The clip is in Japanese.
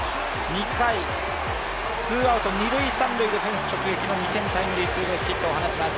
２回、ツーアウト二・三塁でフェンス直撃の２点タイムリーツーベースヒットを放ちます。